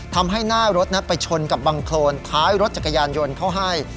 ทำให้หน้ารถไปชนกับบังโครนท้ายรถจักรยานยนต์เขาให้